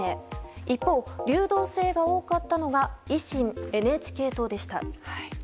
一方、流動性が多かったのが維新、ＮＨＫ党でした。